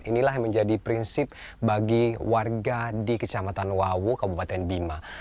inilah yang menjadi prinsip bagi warga di kecamatan wawo kabupaten bima